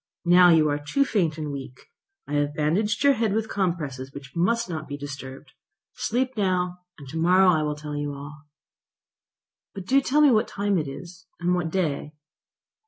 Now you are too faint and weak. I have bandaged your head with compresses which must not be disturbed. Sleep now, and to morrow I will tell you all." "But do tell me what time it is, and what day."